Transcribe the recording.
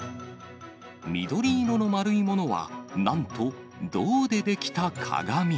緑色の丸いものは、なんと銅で出来た鏡。